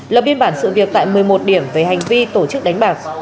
là biên bản sự việc tại một mươi một điểm về hành vi tổ chức đánh bạc